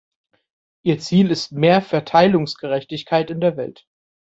Ihr Ziel ist mehr Verteilungsgerechtigkeit in der Welt.